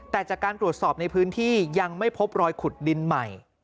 แต่จากการตรวจสอบในพื้นที่ยังไม่พบรอยขุดดินใหม่